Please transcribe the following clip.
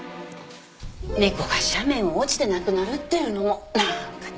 猫が斜面を落ちて亡くなるっていうのも何かね。